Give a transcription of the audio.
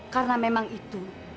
karena memang itu